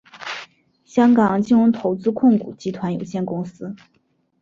香港金融投资控股集团有限公司。